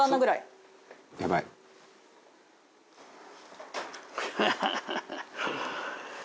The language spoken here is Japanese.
「やばい」ハハハハ！